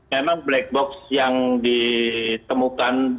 memang black box yang ditemukan